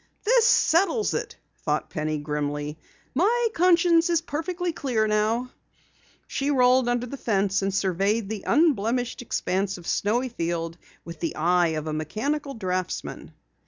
"This settles it," thought Penny grimly. "My conscience is perfectly clear now." She rolled under the fence and surveyed the unblemished expanse of snowy field with the eye of a mechanical draftsman.